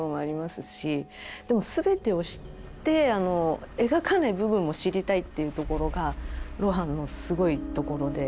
でも全てを知って描かない部分も知りたいっていうところが露伴のすごいところで。